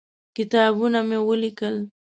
کتابونه مې ولیکل.